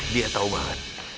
dia tau banget